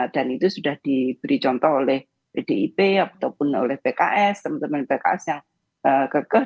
dan itu sudah diberi contoh oleh pdip ataupun oleh pks teman teman pks yang kekeh